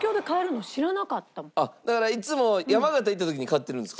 だからいつも山形行った時に買ってるんですか？